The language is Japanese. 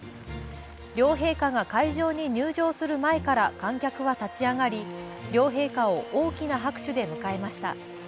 両陛下が会場に入場する前から観客は立ち上がり、両陛下を大きな拍手で迎えられました。